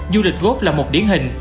du lịch góp là một điển hình